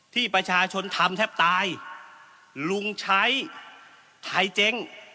ที่ประชาชนธรรมแทบตายลุงชัยทายเจ้ง